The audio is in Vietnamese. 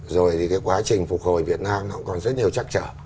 rồi thì cái quá trình phục hồi việt nam nó còn rất nhiều trắc trở